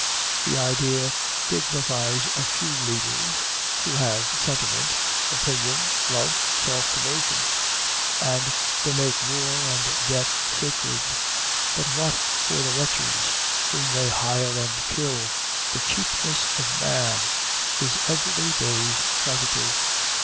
The idea dignifies a few leaders, who have sentiment, opinion, love, self devotion; and they make war and death sacred; but what for the wretches whom they hire and kill? The cheapness of man is every day's tragedy.